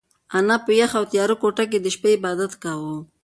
انا په یخه او تیاره کوټه کې د شپې عبادت کاوه.